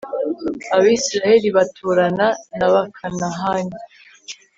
abayisraheli baturana n'abakanahani